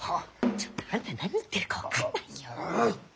ちょっとあんた何言ってるか分かんないよ。ああ？